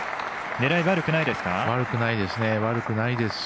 狙い、悪くないですか。